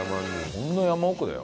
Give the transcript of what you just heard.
こんな山奥だよ。